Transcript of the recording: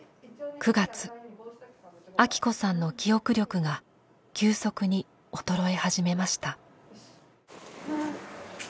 ９月アキ子さんの記憶力が急速に衰え始めました。